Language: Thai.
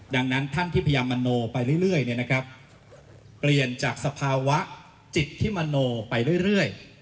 ดังนั้นท่านที่พยายามมโนไปเรื่อยเปลี่ยนจากสภาวะจิตที่มโนไปเรื่อย